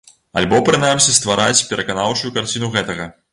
Альбо прынамсі ствараць пераканаўчую карціну гэтага.